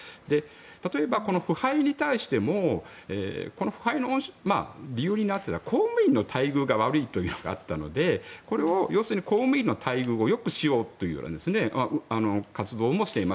例えば、腐敗に対しても公務員の待遇が悪いというのがあったのでこれを要するに公務員の待遇をよくしようという活動もしています。